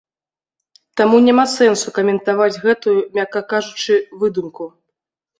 Таму няма сэнсу каментаваць гэтую, мякка кажучы, выдумку.